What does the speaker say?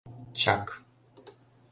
— Чак...